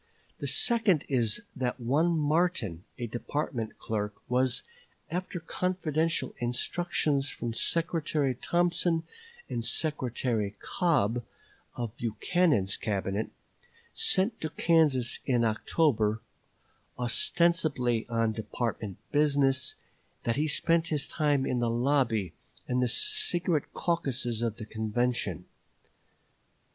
The second is that one Martin, a department clerk, was, after confidential instructions from Secretary Thompson and Secretary Cobb, of Buchanan's Cabinet, sent to Kansas in October, ostensibly on department business; that he spent his time in the lobby and the secret caucuses of the convention.